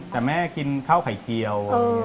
แต่แม่กินข้าวไข่เจียว